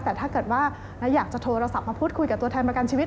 แต่ถ้าเกิดว่าอยากจะโทรศัพท์มาพูดคุยกับตัวแทนประกันชีวิต